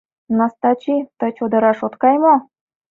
Настачи, тый чодыраш от кай мо?